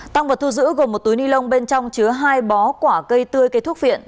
tăng vật thu giữ gồm một túi ni lông bên trong chứa hai bó quả cây tươi cây thuốc viện